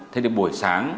thế thì buổi sáng